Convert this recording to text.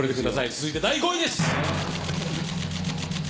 続いて第５位です。